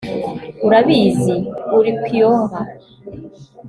urabizi? (ulquiorra